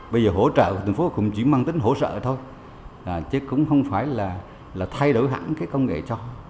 bây giờ hỗ trợ của thành phố cũng chỉ mang tính hỗ trợ thôi chứ cũng không phải là thay đổi hẳn cái công nghệ cho